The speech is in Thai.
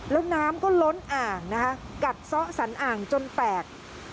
แล้วน้ำก็ล้นอ่างกัดเซาะสันอ่างจนแปลก